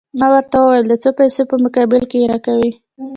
ما ورته وویل: د څو پیسو په مقابل کې يې راکوې؟